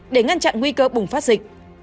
để ngăn chặn nguy cơ bùng phát dịch